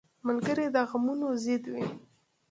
ملګری د غمونو ضد وي